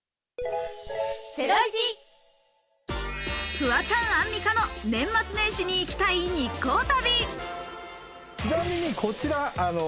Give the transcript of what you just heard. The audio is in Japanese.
フワちゃん、アンミカの年末年始に行きたい日光旅。